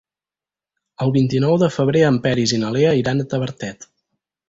El vint-i-nou de febrer en Peris i na Lea iran a Tavertet.